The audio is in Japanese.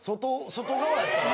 外側やったら。